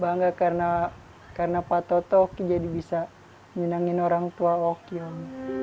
bangga karena pak toto oki jadi bisa menyenangkan orang tua oki om